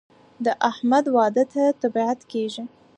د احمد واده ته طبیعت کېږي.